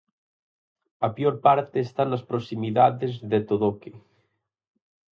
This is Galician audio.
A peor parte está nas proximidades de Todoque.